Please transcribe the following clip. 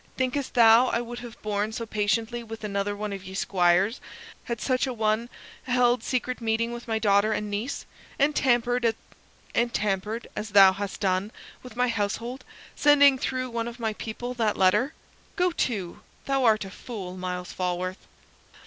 Thinkest thou I would have borne so patiently with another one of ye squires had such an one held secret meeting with my daughter and niece, and tampered, as thou hast done, with my household, sending through one of my people that letter? Go to; thou art a fool, Myles Falworth!"